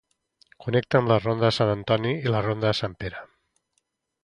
Connecta amb la ronda de Sant Antoni i la ronda de Sant Pere.